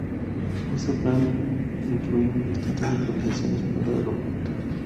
Este plan incluye importantes actualizaciones para el aeropuerto.